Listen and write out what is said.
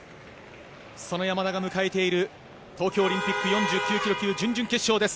その山田が迎えている東京オリンピック４９ｋｇ級準々決勝です。